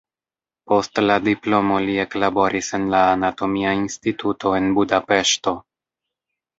Post la diplomo li eklaboris en la anatomia instituto en Budapeŝto.